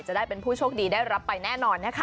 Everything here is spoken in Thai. จะได้เป็นผู้โชคดีได้รับไปแน่นอนนะคะ